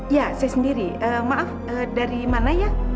ya saya sendiri maaf dari mana ya